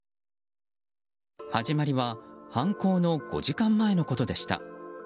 始まりは犯行の５時間前のことでした。